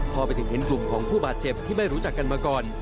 พอไปถึงเห็นกลุ่มของผู้บาดเจ็บที่ไม่รู้จักกันมาก่อน